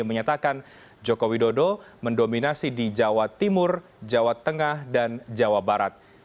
menyatakan joko widodo mendominasi di jawa timur jawa tengah dan jawa barat